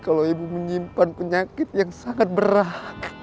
kalau ibu menyimpan penyakit yang sangat berat